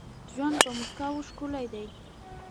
ژوند په مسکاوو ښکلی دي.